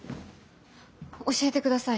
教えてください。